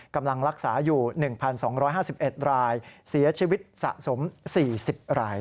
กำลังรักษาอยู่๑๒๕๑รายเสียชีวิตสะสม๔๐ราย